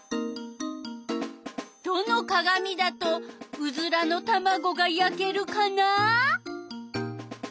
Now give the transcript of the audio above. どのかがみだとうずらのたまごがやけるかな？